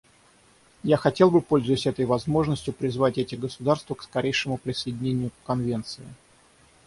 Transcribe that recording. Я хотел бы, пользуясь этой возможностью, призвать эти государства к скорейшему присоединению к Конвенции.